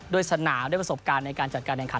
สนามด้วยประสบการณ์ในการจัดการแข่งขัน